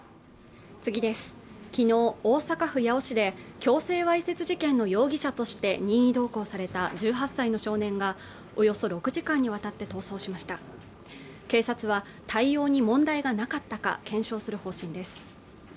昨日大阪府八尾市で強制わいせつ事件の容疑者として任意同行された１８歳の少年がおよそ６時間にわたって逃走しました警察は対応に問題がなかったか検証する方針です